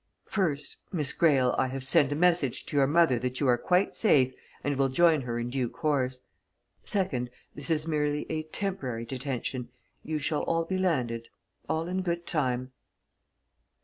"First Miss Greyle, I have sent a message to your mother that you are quite safe and will join her in due course. Second this is merely a temporary detention you shall all be landed all in good time."